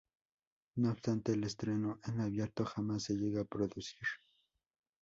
No obstante, el estreno en abierto jamás se llegó a producir.